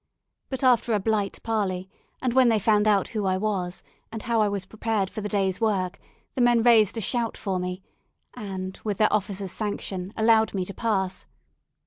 But after a Blight parley and when they found out who I was, and how I was prepared for the day's work, the men raised a shout for me, and, with their officer's sanction, allowed me to pass.